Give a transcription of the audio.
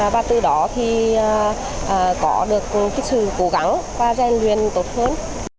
và từ đó thì có được cái sự cố gắng và rèn luyện tốt hơn